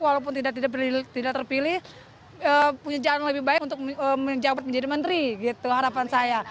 walaupun tidak terpilih punya jalan lebih baik untuk menjabat menjadi menteri gitu harapan saya